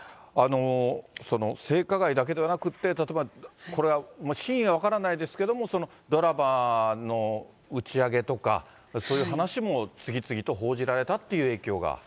その性加害だけではなくて、例えばこれは真偽は分からないですけれども、ドラマの打ち上げとか、そういう話も次々と報じられたっていう影響が？